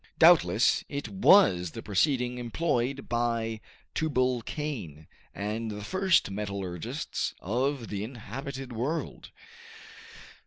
Doubtless, it was the proceeding employed by Tubalcain, and the first metallurgists of the inhabited world.